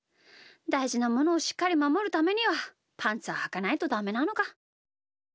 だいじなものをしっかりまもるためにはパンツははかないとダメなのか。